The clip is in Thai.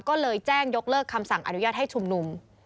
ก็เลยแจ้งยกเลิกคำสั่งอนุญาตให้ชุมนุม